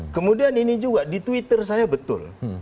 kemudian ini juga di twitter saya betul